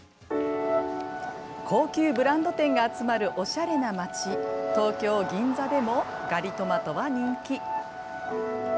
高級ブランド店が集まるおしゃれな街、東京・銀座でもガリトマトは人気。